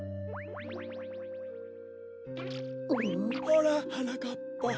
ほらはなかっぱ。